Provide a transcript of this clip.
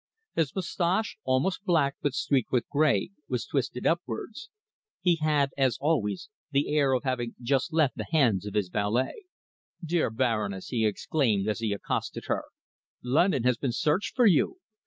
His moustache, also black but streaked with grey, was twisted upwards. He had, as always, the air of having just left the hands of his valet. "Dear Baroness," he exclaimed, as he accosted her, "London has been searched for you!